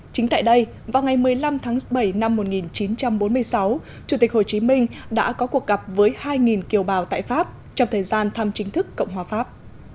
chính tại đây vào ngày một mươi năm tháng bảy năm một nghìn chín trăm bốn mươi sáu chủ tịch hồ chí minh đã có cuộc gặp với hai kiều bào tại pháp trong thời gian thăm chính thức cộng hòa pháp